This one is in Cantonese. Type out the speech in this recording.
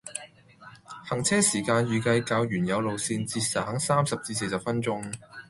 行車時間預計較原有路線節省三十至四十分鐘。